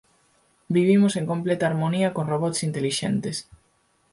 Vivimos en completa harmonía con robots intelixentes.